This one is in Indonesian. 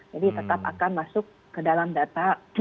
jadi tetap akan masuk ke dalam data